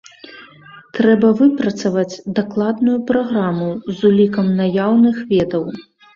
Трэба выпрацаваць дакладную праграму з улікам наяўных ведаў.